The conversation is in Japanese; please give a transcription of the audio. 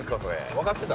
分かってた？